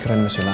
keren mas yulang